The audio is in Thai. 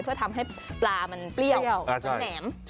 เพื่อทำให้ปลามันเปรี้ยวจนแหนม